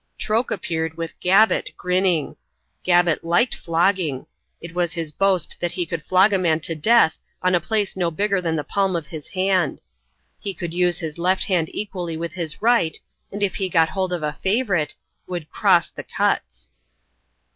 Troke appeared with Gabbett grinning. Gabbett liked flogging. It was his boast that he could flog a man to death on a place no bigger than the palm of his hand. He could use his left hand equally with his right, and if he got hold of a "favourite", would "cross the cuts".